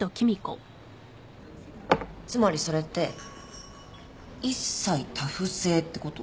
つまりそれって一妻多夫制ってこと？